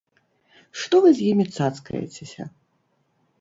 Што вы з імі цацкаецеся?